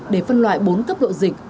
để phân loại bốn cấp độ dịch